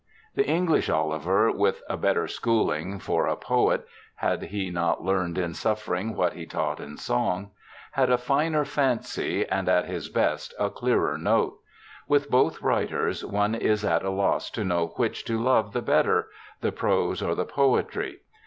The English Oliver, with a better schooling for a poet (had he not learned in suffering what he taught in song?), had a finer fancy and at his best a clearer note. With both writers one is at a loss to know which to love the better, the prose or the poetry.